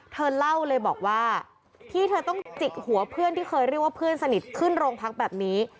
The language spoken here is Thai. เธอเล่าเลยบอกว่าที่เธอต้องจิกหัวเพื่อนที่เคยเรียกว่าเพื่อนสนิทขึ้นโรงพักแบบนี้